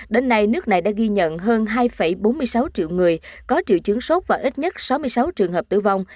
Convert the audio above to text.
đến nay nước này đã ghi nhận hơn hai bốn mươi sáu triệu người có triệu chứng sốt và ít nhất sáu mươi sáu trường hợp tử vong